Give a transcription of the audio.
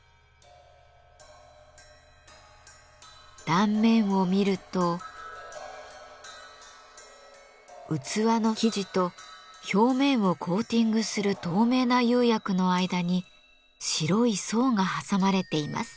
断面を見ると器の素地と表面をコーティングする透明な釉薬の間に白い層が挟まれています。